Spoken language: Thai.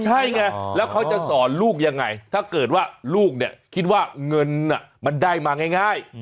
ใช่ไงแล้วเขาจะสอนลูกยังไงถ้าเกิดว่าลูกเนี่ยคิดว่าเงินมันได้มาง่าย